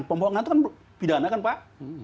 pembohongan itu kan pidana kan pak